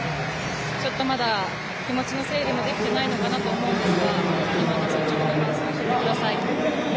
ちょっとまだ気持ちの整理もできていないのかなと思うんですが今、率直な感想を教えてください。